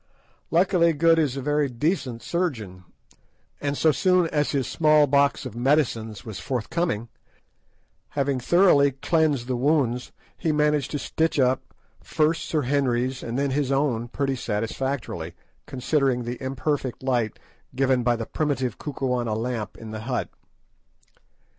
Luckily Good is a very decent surgeon, and so soon as his small box of medicines was forthcoming, having thoroughly cleansed the wounds, he managed to stitch up first Sir Henry's and then his own pretty satisfactorily, considering the imperfect light given by the primitive Kukuana lamp in the hut.